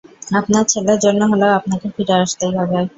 আপনার ছেলের জন্য হলেও আপনাকে ফিরে আসতেই হবে।